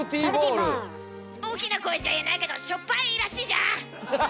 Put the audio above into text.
大きな声じゃ言えないけどしょっぱいらしいじゃん。